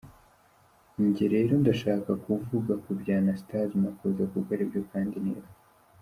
Jye rero ndashaka kuvuga kubya Anastase Makuza kuko aribyo kandi neza.